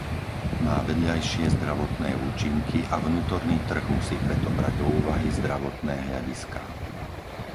Má vedľajšie zdravotné účinky a vnútorný trh musí preto brať do úvahy zdravotné hľadiská.